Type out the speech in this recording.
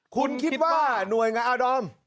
คุณคิดว่าหน่วยงานอาดอม